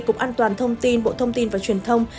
cục an toàn thông tin bộ thông tin và truyền thông